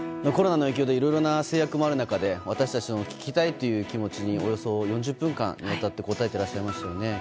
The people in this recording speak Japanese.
コロナの影響でいろいろな制約もある中で私たちの聞きたいという気持ちにおよそ４０分間にわたって答えてらっしゃいましたよね。